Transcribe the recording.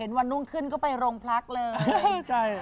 เห็นวันนุ่งขึ้นก็ไปโรงพลักษณ์เลย